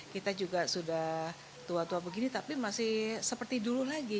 kita juga sudah tua tua begini tapi masih seperti dulu lagi